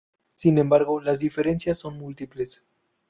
Sin embargo las diferencias son múltiples.